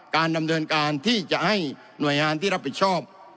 การดำเนินการที่จะให้หน่วยงานที่รับผิดชอบ